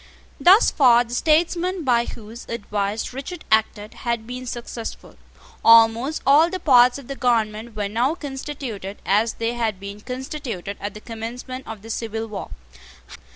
Thus far the statesmen by whose advice Richard acted had been successful. Almost all the parts of the government were now constituted as they had been constituted at the commencement of the civil war.